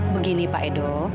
begini pak edo